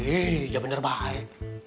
iya bener baik